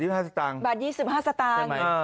บาท๒๕สตังค์บาท๒๕สตังค์